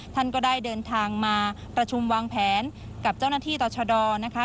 ท่านก็ได้เดินทางมาประชุมวางแผนกับเจ้าหน้าที่ต่อชะดอนะคะ